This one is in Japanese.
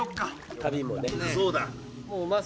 旅もね。